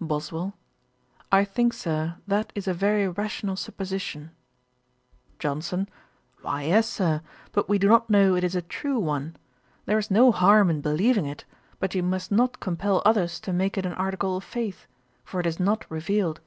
BOSWELL. 'I think, Sir, that is a very rational supposition.' JOHNSON. 'Why, yes, Sir; but we do not know it is a true one. There is no harm in believing it: but you must not compel others to make it an article of faith; for it is not revealed.'